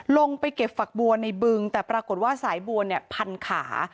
ลงไปเก็บฝักบัวในบึงแต่ปรากฏว่าสายบัวเนี่ยพันขา